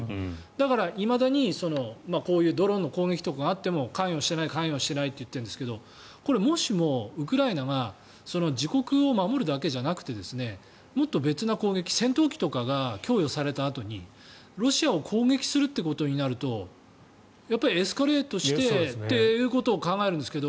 だからいまだに、こういうドローンの攻撃とかがあっても関与してないって言ってるんですけどこれ、もしもウクライナが自国を守るだけじゃなくてもっと別な攻撃戦闘機とかが供与されたあとにロシアを攻撃するってことになるとやっぱりエスカレートしてということを考えるんですけど。